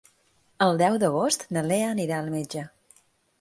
El deu d'agost na Lea anirà al metge.